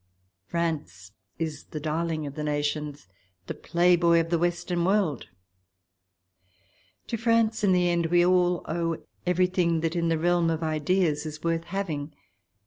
France is the darling of the nations — the Playboy of the Western world ! To France, in the end, we all owe everything that in the realm of the ideas is worth having.